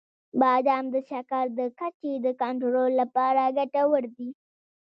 • بادام د شکر د کچې د کنټرول لپاره ګټور دي.